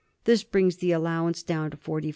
This brings the allowance down to £45,000.